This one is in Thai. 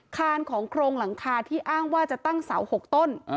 คานของโครงหลังคาที่อ้างว่าจะตั้งเสา๖ต้น